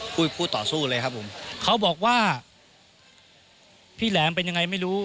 คู่ต่อสู้เลยครับผมเขาบอกว่าพี่แหลมเป็นยังไงไม่รู้